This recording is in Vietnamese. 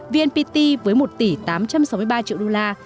vnpt với một tỷ tám trăm sáu mươi ba triệu đô la